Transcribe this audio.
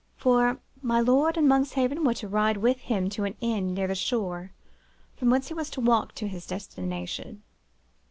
For my lord and Monkshaven were to ride with him to an inn near the shore, from whence he was to walk to his destination.